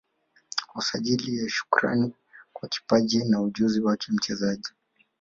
Kwa ajili ya Shukrani kwa kipaji na ujuzi wa mchezaji